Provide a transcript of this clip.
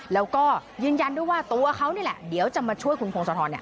แล้วก็ยืนยันด้วยว่าตัวเขานี่แหละเดี๋ยวจะมาช่วยคุณพงศธร